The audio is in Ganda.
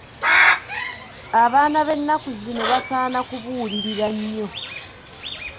Abaana b'ennaku zino basaana kubuulirira nnyo.